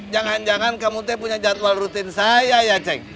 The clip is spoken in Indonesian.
jangan jangan kamu te punya jadwal rutin saya ya cek